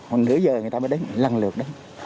còn nửa giờ người ta mới đến lần lượt đấy